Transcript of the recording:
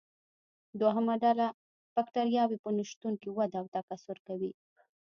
دوهمه ډله بکټریاوې په نشتون کې وده او تکثر کوي.